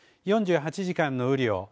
４８時間の雨量